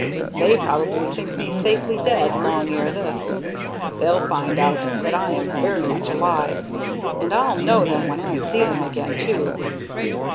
"They probably think me safely dead long ere this; but they'll find out that I am very much alive, and I'll know them when I see them again, too.